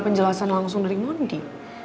penjelasan langsung dari mondi